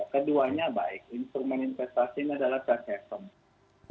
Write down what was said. keduanya baik instrumen investasinya adalah caketom